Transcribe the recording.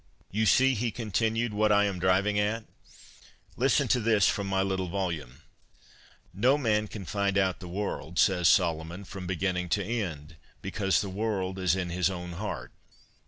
' You see,' he continued, ' what I am driving at ? Listen to this from my little volume :" No man can find out the world, says Solomon, from beginning to end, because the world is in his own heart."